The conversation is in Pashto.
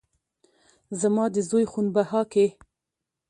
زما د زوى خون بها کې